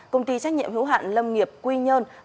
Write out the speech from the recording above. công ty trách nhiệm hữu hạn lâm nghiệp quy nhơn